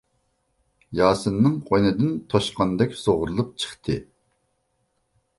ياسىننىڭ قوينىدىن توشقاندەك سۇغۇرۇلۇپ چىقتى.